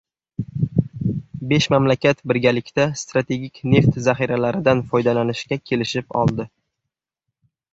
Besh mamlakat birgalikda strategik neft zaxiralaridan foydalanishga kelishib oldi